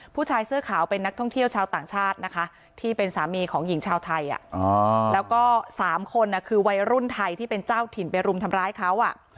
ผู้ชายเสื้อขาวเป็นนักท่องเที่ยวชาวต่างชาตินะคะที่เป็นสามีของหญิงชาวไทยแล้วก็๓คนคือวัยรุ่นไทยที่เป็นเจ้าถิ่นไปรุมทำร้ายเขา